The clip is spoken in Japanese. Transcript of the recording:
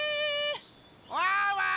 ・ワンワーン！